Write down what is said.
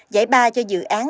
giải ba cho dự án